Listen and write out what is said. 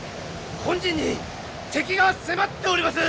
本陣に敵が迫っております！